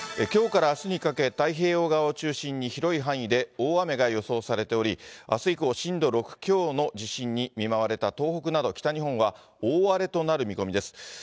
きょうからあすにかけ、太平洋側を中心に、広い範囲で大雨が予想されており、あす以降、震度６強の地震に見舞われた東北など北日本は大荒れとなる見込みです。